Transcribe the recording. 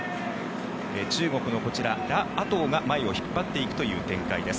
中国のこちら、ラ・アトウが前を引っ張っていくという展開です。